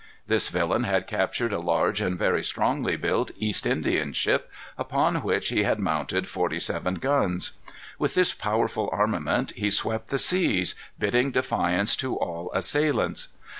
This villain had captured a large and very strongly built East Indian ship, upon which he had mounted forty heavy guns. With this powerful armament he swept the seas, bidding defiance to all assailants.